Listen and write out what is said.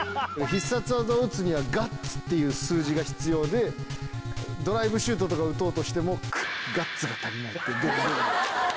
必殺技を打つには「ガッツ」っていう数字が必要でドライブシュートとか打とうとしても「ガッツがたりない‼」って出る。